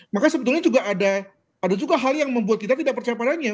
maka sebetulnya juga ada juga hal yang membuat kita tidak percaya padanya